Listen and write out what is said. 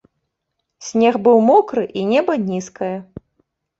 Снег быў мокры, і неба нізкае.